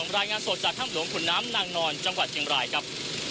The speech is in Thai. รายงานสดจากถ้ำหลวงขุนน้ำนางนอนจังหวัดเชียงบรายครับ